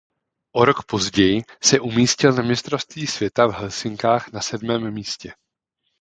O rok později se umístil na mistrovství světa v Helsinkách na sedmém místě.